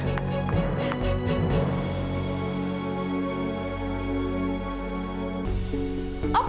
tidak belum selesai